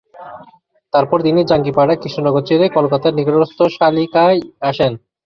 তারপর তিনি জাঙ্গিপাড়া-কৃষ্ণনগর ছেড়ে কলকাতার নিকটস্থ সালিখায় আসেন।